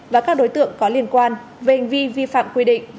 và các đối tượng có liên quan về hành vi vi phạm quy định